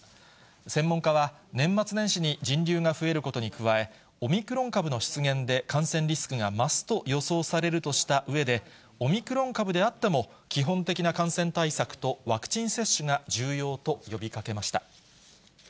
専門家は、年末年始に人流が増えることに加え、オミクロン株の出現で感染リスクが増すと予想されるとしたうえで、オミクロン株であっても、基本的な感染対策とワクチン接種が重要と呼びかけました。